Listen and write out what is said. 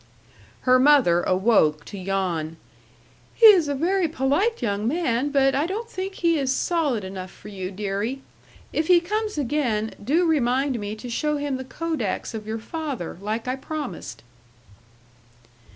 Her mother awoke to yawn. "He is a very polite young man, but I don't think he is solid enough for you, dearie. If he comes again, do remind me to show him the kodaks of your father, like I promised."